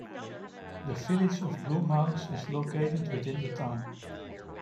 The Village of Blue Mounds is located within the town.